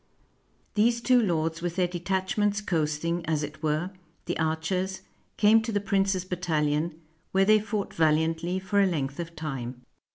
These two lords with their de tachments coasting, as it were, the archers, came to the prince's battalion, where they fought vahantly for a length of time.